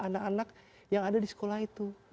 anak anak yang ada di sekolah itu